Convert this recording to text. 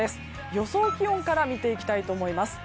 予想気温から見ていきたいと思います。